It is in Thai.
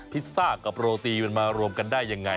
พิซซ่ากับโรตีมันมารวมกันได้ยังไง